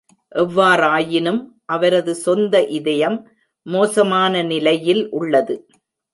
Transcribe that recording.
எவ்வாறாயினும், அவரது சொந்த இதயம் மோசமான நிலையில் உள்ளது.